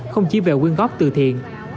không chỉ về quyên góp từ thiện